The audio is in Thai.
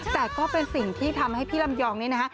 แต่ก็เป็นสิ่งที่ทำให้พี่ลำยองนี่นะฮะ